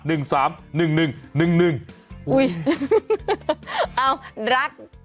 อุ๊ยเอ้ารัก